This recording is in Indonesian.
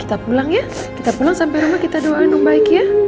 kita pulang ya kita pulang sampai rumah kita doain omaik ya